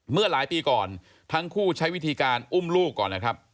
เมื่อหลายปีก่อนทั้งคู่ใช้วิธีการอุ้มลูกก่อนนะครับ